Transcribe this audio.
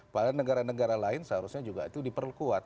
padahal negara negara lain seharusnya juga itu diperkuat